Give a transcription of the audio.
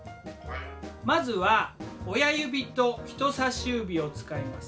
まずは親指と人さし指を使います。